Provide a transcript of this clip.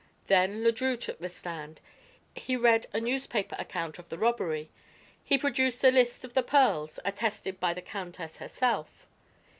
Then Le Drieux took the stand. He read a newspaper account of the robbery. He produced a list of the pearls, attested by the countess herself.